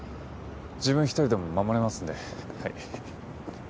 自分一人でも護れますんではい。